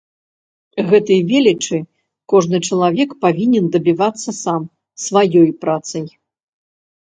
Гэтай велічы кожны чалавек павінен дабівацца сам, сваёй працай.